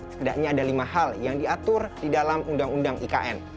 setidaknya ada lima hal yang diatur di dalam undang undang ikn